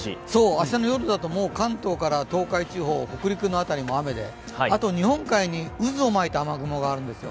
明日の夜になると関東から東海地方、北陸は雨であと日本海に渦を巻いた雨雲があるんですよ。